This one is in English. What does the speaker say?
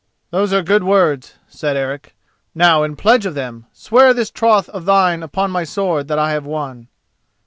"Those are good words," said Eric. "Now, in pledge of them, swear this troth of thine upon my sword that I have won."